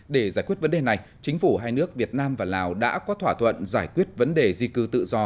để giải quyết vấn đề này chính phủ hai nước việt nam và lào đã có thỏa thuận giải quyết vấn đề di cư tự do